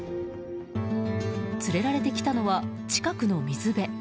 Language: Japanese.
連れられてきたのは近くの水辺。